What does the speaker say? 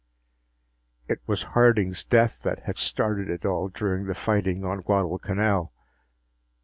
It was Harding's "death" that had started it all during the fighting on Guadalcanal.